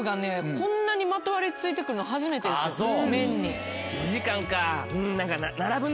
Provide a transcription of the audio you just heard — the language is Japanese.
こんなにまとわりついて来るの初めてです麺に。